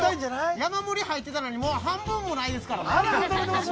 山盛り入ってたのにもう半分もないです。